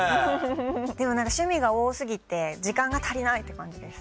でも何か趣味が多過ぎて時間が足りない！って感じです。